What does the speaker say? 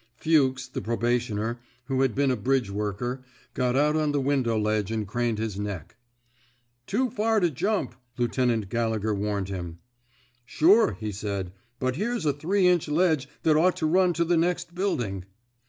Fuchs, the probationer, who had been a bridge worker, got out on the window ledge and craned his neck. Too far to jump," Lieutenant Galle gher warned him. Sure," he said, but here's a three inch ledge that ought to run to the next building."